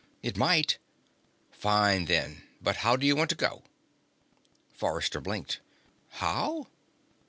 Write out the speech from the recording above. "It might." "Fine, then. But how do you want to go?" Forrester blinked. "How?"